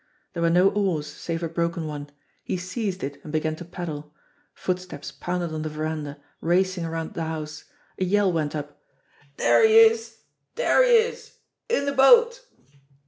There were no oars, save a broken one. He seized it, and began to paddle. Footsteps pounded on the verandah, racing around the house. A yell went up : "Dere he is ! Dere he is in de boat